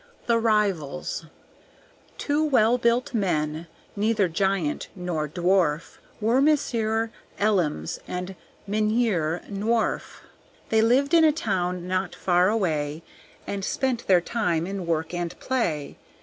The Rivals Two well built men, neither giant nor dwarf, Were Monsieur Elims and Mynheer Nworf. They lived in a town not far away, And spent their time in work and play.